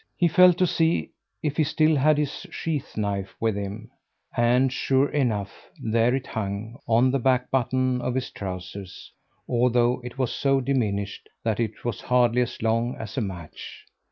He felt to see if he still had his sheath knife with him; and, sure enough, there it hung on the back button of his trousers, although it was so diminished that it was hardly as long as a match.